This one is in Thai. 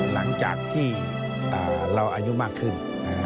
หลังจากที่เราอายุมากขึ้น